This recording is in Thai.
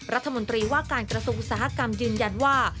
รัฐมนตรีว่าการกระทรวงอุตสาหกรรมยืนยันว่า